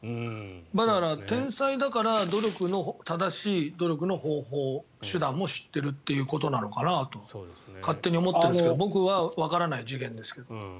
だから、天才だから正しい努力の方法、手段を知っているっていうことなのかなと勝手に思っているんですけど僕はわからない次元ですけど。